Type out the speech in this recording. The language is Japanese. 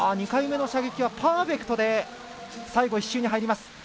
２回目の射撃はパーフェクトで最後１周に入ります。